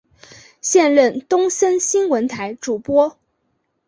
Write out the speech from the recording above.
现任东森新闻台主播。